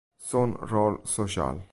Son role social".